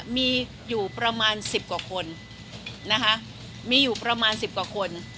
มีอยู่ประมาณ๑๐กว่าคน